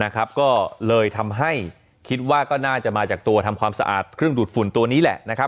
ก็เลยทำให้คิดว่าก็น่าจะมาจากตัวทำความสะอาดเครื่องดูดฝุ่นตัวนี้แหละ